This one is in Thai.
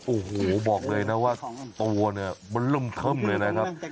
โอ้โหบอกเลยนะว่าตัวเนี่ยมันเริ่มเทิมเลยนะครับ